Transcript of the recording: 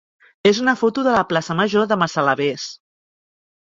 és una foto de la plaça major de Massalavés.